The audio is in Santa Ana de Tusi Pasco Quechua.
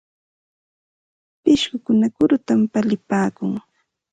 Pishqukuna kurutam palipaakun.